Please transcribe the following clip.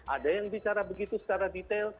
ada yang bicara begitu secara detail